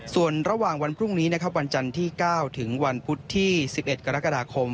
ส่วนระหว่างวันพรุ่งนี้นะครับวันจันทร์ที่๙ถึงวันพุธที่๑๑กรกฎาคม